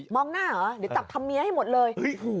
หน้าเหรอเดี๋ยวจับทำเมียให้หมดเลย